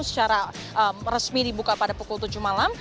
secara resmi dibuka pada pukul tujuh malam